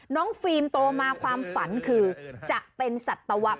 น้องฟิล์มโตมาความฝันคือจะเป็นสัตวแพทย์